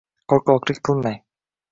Qo‘rqoqlik qilmang...